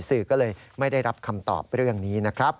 สื่อก็เลยไม่ได้รับคำตอบเรื่องนี้นะครับ